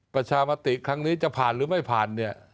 ประชามติครั้งนี้จะผ่านหรือไม่ผ่านเนี่ย